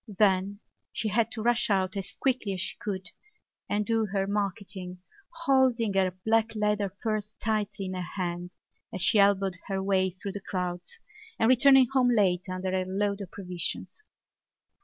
Then she had to rush out as quickly as she could and do her marketing, holding her black leather purse tightly in her hand as she elbowed her way through the crowds and returning home late under her load of provisions.